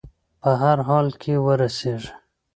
په هر حال کې وررسېږي.